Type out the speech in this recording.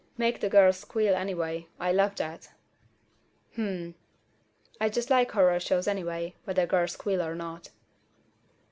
Make the girls squeal anyway. I love that." "Hmm." I just like horror shows anyway, whether girls squeal or not.